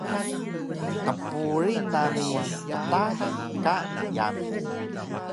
Qpuring nami qtahi ka yami